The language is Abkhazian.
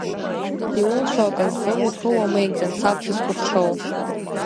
Иулшо аказы ухы уамеигӡан, саб сызкәыхшоу.